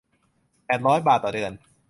แปดร้อย บาทต่อเดือน